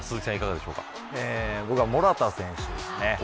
僕は、モラタ選手です。